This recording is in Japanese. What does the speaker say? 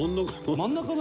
真ん中何？